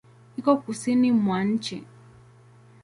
Iko Kusini mwa nchi.